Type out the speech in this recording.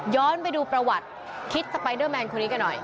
ไปดูประวัติคิดสไปเดอร์แมนคนนี้กันหน่อย